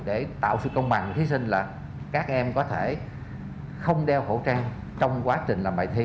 để tạo sự công bằng thí sinh là các em có thể không đeo khẩu trang trong quá trình làm bài thi